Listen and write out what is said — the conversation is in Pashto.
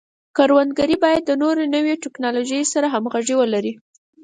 کروندګري باید د نوو ټکنالوژیو سره همغږي ولري.